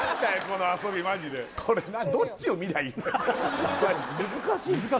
この遊びマジでどっちを見りゃあいいのよ？